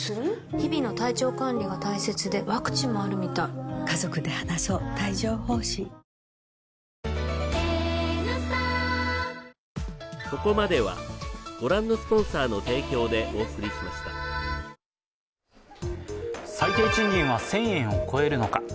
日々の体調管理が大切でワクチンもあるみたい最低賃金は１０００円を超えるのか。